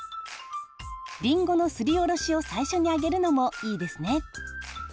りんごのすりおろしを最初にあげるのもいいですね。